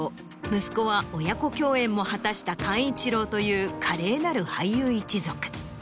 息子は親子共演も果たした寛一郎という華麗なる俳優一族。